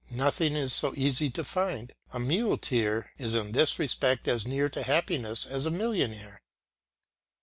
Nothing is so easy to find. A muleteer is in this respect as near to happiness as a millionaire.